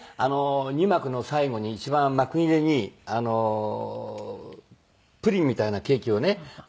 ２幕の最後に一番幕切れにプリンみたいなケーキをね